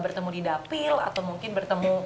bertemu di dapil atau mungkin bertemu